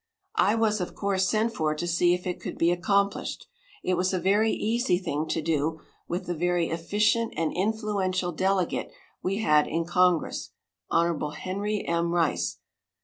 I was, of course, sent for to see if it could be accomplished. It was a very easy thing to do with the very efficient and influential delegate we had in congress, Hon. Henry M. Rice.